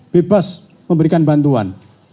bebas memberikan bantuan